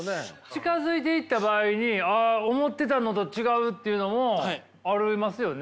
近づいていった場合にああ思ってたのと違うっていうのもありますよね？